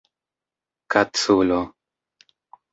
kaculo